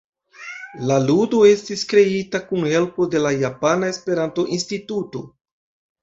La ludo estis kreita kun helpo de la Japana Esperanto-Instituto.